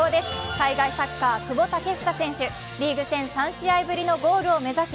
海外サッカー、久保建英選手、リーグ戦３試合ぶりのゴール目指し